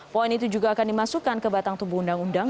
poin itu juga akan dimasukkan ke batang tubuh undang undang